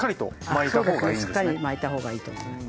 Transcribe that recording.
しっかり巻いた方がいいと思います。